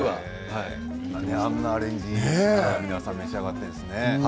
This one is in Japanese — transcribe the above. あんなアレンジで皆さん召し上がってるんですね。